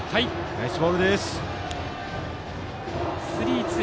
ナイスボールです。